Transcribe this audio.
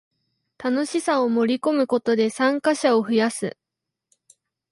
楽しさを盛りこむことで参加者を増やす